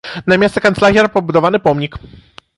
На месцы канцлагера пабудаваны помнік.